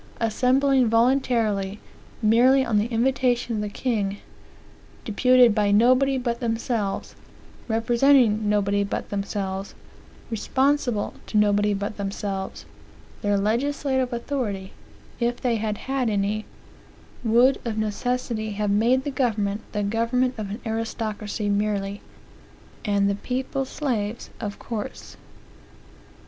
Assembling voluntarily, merely on the invitation of the king; deputed by nobody but themselves; representing nobody but themselves; responsible to nobody but themselves; their legislative authority, if they had had any, would of necessity have made the government the government of an aristocracy merely, and the people slaves, of course.